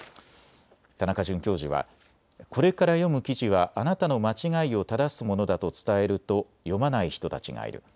田中准教授はこれから読む記事はあなたの間違いをただすものだと伝えると読まない人たちがいる。